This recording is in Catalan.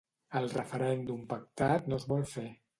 El referèndum pactat no es vol fer.